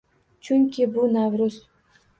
Chunki bu – Navro’z!